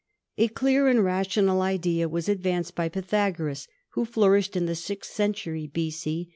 [?]), a clear and rational idea was advanced by Pythagoras, who flourished in the sixth century B.C.